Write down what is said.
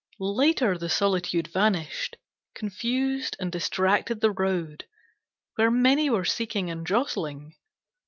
Later the solitude vanished, confused and distracted the road Where many were seeking and jostling.